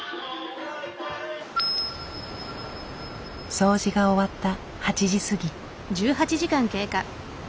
掃除が終わった８時過ぎ。